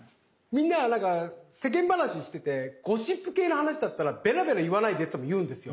みんなが世間話しててゴシップ系の話だったらべらべら言わないでって言っても言うんですよ。